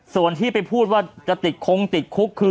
ส่วนที่ไปพูดว่าจะติดคงติดคุกคือ